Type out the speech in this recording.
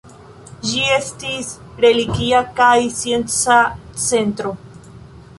Ĝi estis religia kaj scienca centro.